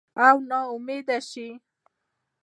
او نا امیده شي